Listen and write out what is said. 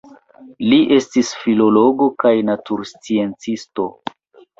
Li estis filologo kaj natursciencisto.